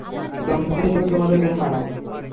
দম্পতি হিসাবে তোমাদের বেশ মানায়।